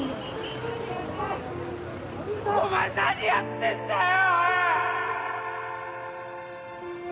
お前、何やってんだよ！